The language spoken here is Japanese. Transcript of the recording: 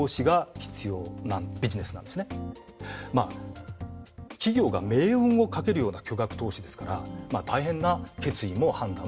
まあ企業が命運をかけるような巨額投資ですから大変な決意も判断もいるわけです。